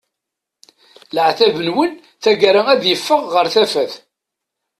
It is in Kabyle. Leɛtab-nwen tagara ad yeffeɣ ɣer tafat.